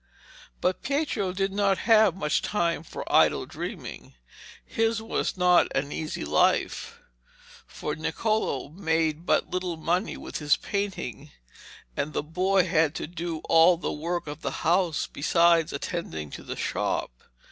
But Pietro did not have much time for idle dreaming. His was not an easy life, for Niccolo made but little money with his painting, and the boy had to do all the work of the house besides attending to the shop.